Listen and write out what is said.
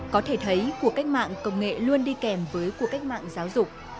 có thể thấy cuộc cách mạng công nghệ luôn đi kèm với cuộc cách mạng giáo dục